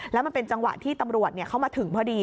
แล้วมันเป็นจังหวะที่ตำรวจเข้ามาถึงพอดี